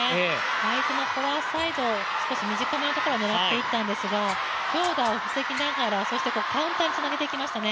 相手のフォアサイド、少し短めのところを狙っていったんですが強打を防ぎながらそしてカウンターにつなげていきましたね。